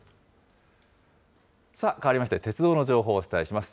さあ、変わりまして、鉄道の情報をお伝えします。